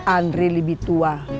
andre lebih tua